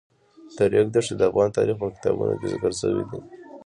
د ریګ دښتې د افغان تاریخ په کتابونو کې ذکر شوی دي.